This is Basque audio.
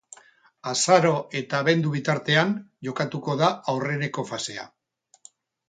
Azaro eta abendu bitartean jokatuko da aurreneko fasea.